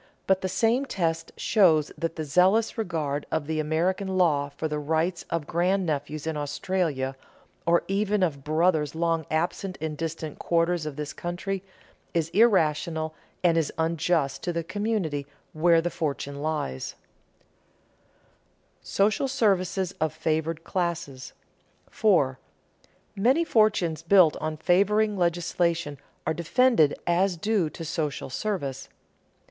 But the same test shows that the zealous regard of the American law for the rights of grandnephews in Australia, or even of brothers long absent in distant quarters of this country, is irrational, and is unjust to the community where the fortune lies. [Sidenote: Social services of favored classes] 4. _Many fortunes built on favoring legislation are defended as due to social service.